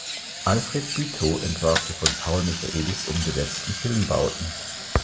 Alfred Bütow entwarf die von Paul Michaelis umgesetzten Filmbauten.